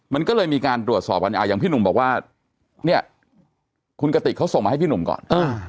มันก็เลยมีการตรวจสอบกันอย่างพี่หนุ่มบอกว่าเนี่ยคุณกติกเขาส่งมาให้พี่หนุ่มก่อน